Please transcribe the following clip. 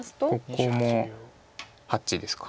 ここも８ですか。